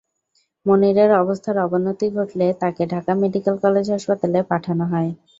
মনিরের অবস্থার অবনতি ঘটলে তাঁকে ঢাকা মেডিকেল কলেজ হাসপাতালে পাঠানো হয়।